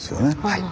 はい。